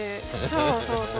そうそうそう。